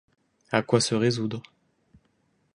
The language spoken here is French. À quoi se résoudre?